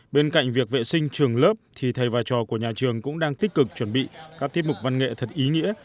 bên cạnh việc vệ sinh trường lớp thì thầy và trò của nhà trường cũng đang tích cực chuẩn bị các tiết mục văn nghệ thật ý nghĩa